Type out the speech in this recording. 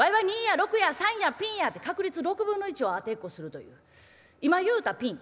「ピンや」って確率６分の１を当てっこするという今言うた「ピン」